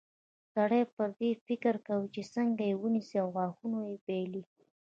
سړی پر دې فکر کوي چې څنګه یې ونیسي او غاښونه نه بایلي.